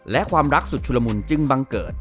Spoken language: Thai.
และความรักสุดชุลมุนจึงบังเกิด